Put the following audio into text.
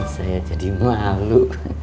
saya jadi malu